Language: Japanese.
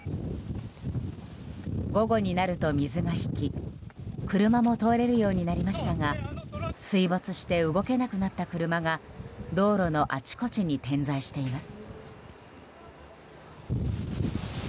午後になると水が引き車も通れるようになりましたが水没して動けなくなった車が道路のあちこちに点在しています。